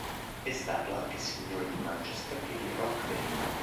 È stato anche signore di Manchester e di Rochdale.